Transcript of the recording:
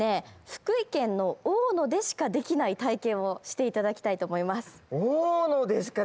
福井県の大野でしかできない体験をしていただきたいと思います。